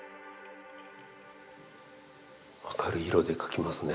明るい色で描きますね。